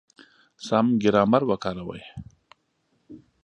سم ګرامر وکاروئ!